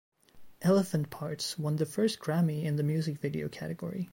"Elephant Parts" won the first Grammy in the Music Video category.